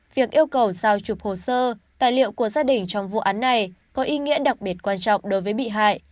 việc yêu cầu giao chụp hồ sơ tài liệu của gia đình trong vụ án này có ý nghĩa đặc biệt quan trọng đối với bị hại